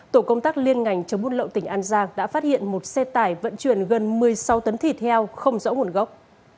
tổ công tác liên ngành chống buôn lậu tỉnh an giang đã phát hiện một xe tải vận chuyển gần một mươi sáu tấn thịt heo không rõ nguồn gốc